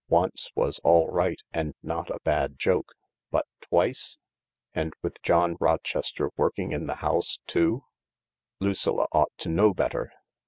Once was all right, and not a bad joke — but twice ! And with John Rochester working in the house, too ! Lucilla ought to know better.